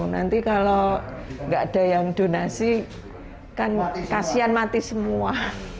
nanti kalau nggak ada yang donasi kan kasian mati semua